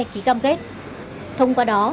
ký cam kết thông qua đó